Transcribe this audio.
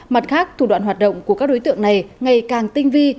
mặt khác thủ đoạn hoạt động của các đối tượng này ngày càng tinh vi